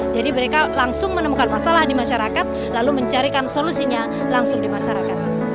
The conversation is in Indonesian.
jadi mereka langsung menemukan masalah di masyarakat lalu mencarikan solusinya langsung di masyarakat